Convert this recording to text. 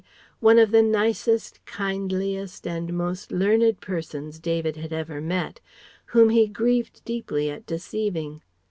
one of the nicest, kindliest and most learned persons David had ever met, whom he grieved deeply at deceiving.